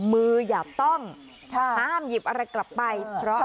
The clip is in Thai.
มืออย่าต้องห้ามหยิบอะไรกลับไป